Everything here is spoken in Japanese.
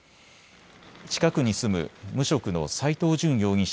近くに住む無職の斎藤淳容疑者